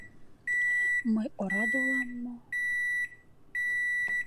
Мый ораде улам мо...